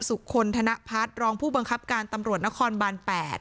คนธนพัฒน์รองผู้บังคับการตำรวจนครบาน๘